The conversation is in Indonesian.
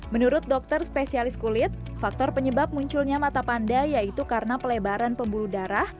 menurut dokter spesialis kulit faktor penyebab munculnya mata panda yaitu karena pelebaran pembuluh darah